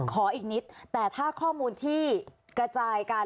อีกนิดแต่ถ้าข้อมูลที่กระจายกัน